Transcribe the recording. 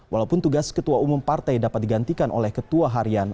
walaupun tugas ketua umum partai dapat digantikan oleh ketua harian